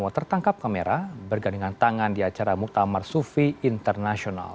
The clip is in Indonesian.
tertangkap kamera bergandingan tangan di acara muktamar sufi internasional